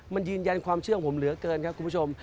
มันยืนยันความเชื่อของผมเหลือเกินครับคุณผู้ชม